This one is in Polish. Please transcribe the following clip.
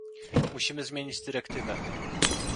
Musimy zmienić dyrektywę